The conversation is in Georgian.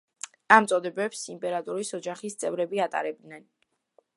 ამ წოდებებს იმპერატორის ოჯახის წევრები ატარებდნენ.